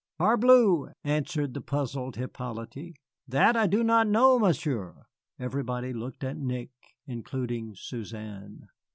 "Parbleu," answered the puzzled Hippolyte, "that I do not know, Monsieur." Everybody looked at Nick, including Suzanne.